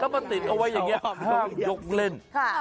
มาติดเอาไว้อย่างนี้ห้ามยกเล่น